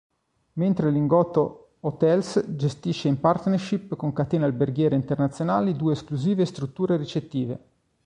Mentre Lingotto Hotels gestisce in partnership con catene alberghiere internazionali due esclusive strutture ricettive.